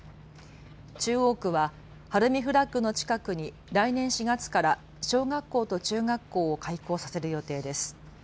中央区は晴海フラッグの近くに来年４月から小学校と中学校を開校させる予定です。